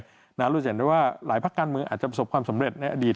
เราจะเห็นได้ว่าหลายภาคการเมืองอาจจะประสบความสำเร็จในอดีต